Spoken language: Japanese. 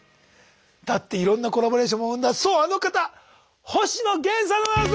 だっていろんなコラボレーションも生んだそうあの方星野源さんでございます！